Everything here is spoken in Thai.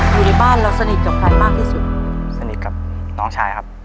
อยู่ในบ้านเราสนิทกับใครมากที่สุดสนิทกับน้องชายครับ